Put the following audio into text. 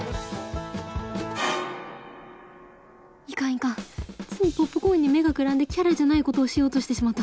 いかんいかんついポップコーンに目がくらんでキャラじゃないことをしようとしてしまった